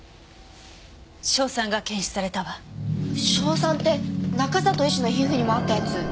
硝酸って中里医師の皮膚にもあったやつ。